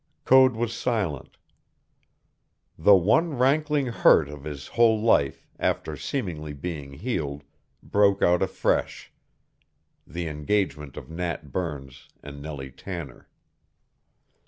Code was silent. The one rankling hurt of his whole life, after seemingly being healed, broke out afresh the engagement of Nat Burns and Nellie Tanner.